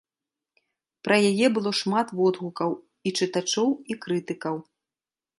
Пра яе было шмат водгукаў і чытачоў, і крытыкаў.